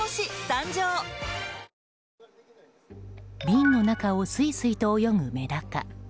瓶の中をすいすいと泳ぐメダカ。